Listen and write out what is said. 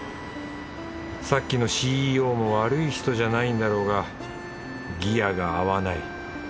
さっきのＣＥＯも悪い人じゃないんだろうがギアが合わない。